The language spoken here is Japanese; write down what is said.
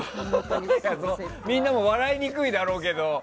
みんなも笑いにくいだろうけど。